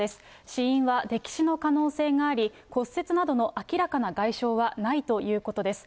死因は、溺死の可能性があり、骨折などの明らかな外傷はないということです。